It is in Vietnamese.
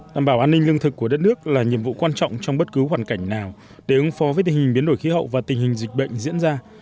đảm bảo an ninh lương thực của đất nước là nhiệm vụ quan trọng trong bất cứ hoàn cảnh nào để ứng phó với tình hình biến đổi khí hậu và tình hình dịch bệnh diễn ra